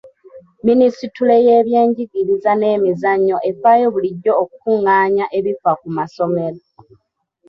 Minisitule y’ebyenjigiriza n’emizannyo efaayo bulijjo okukungaanya ebifa ku masomero.